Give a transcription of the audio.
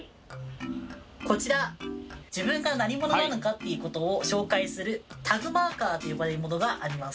こちら自分が何者なのかっていう事を紹介するタグマーカーと呼ばれるものがあります。